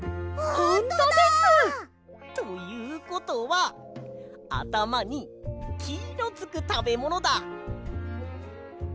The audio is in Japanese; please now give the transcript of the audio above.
ほんとです！ということはあたまに「き」のつくたべものだ！